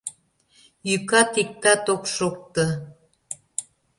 Йӱкат иктат ок шокто.